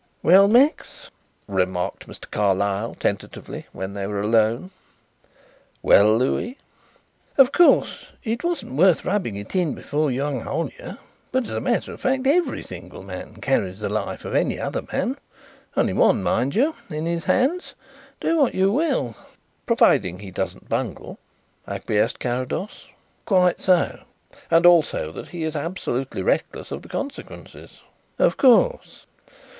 "Well, Max?" remarked Mr. Carlyle tentatively when they were alone. "Well, Louis?" "Of course it wasn't worth while rubbing it in before young Hollyer, but, as a matter of fact, every single man carries the life of any other man only one, mind you in his hands, do what you will." "Provided he doesn't bungle," acquiesced Carrados. "Quite so." "And also that he is absolutely reckless of the consequences." "Of course."